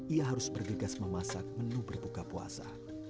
ia harus bergegas memasak menu berbuka puasa